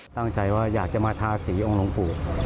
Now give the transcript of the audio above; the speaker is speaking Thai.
ตั้งใจว่าอยากจะมาทาสีองค์ลงปู่